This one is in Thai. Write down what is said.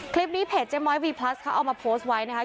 คลิปนี้เพจเจ๊มอยว์วีพลัสค่ะเอามาโพสต์ด้วยนะครับ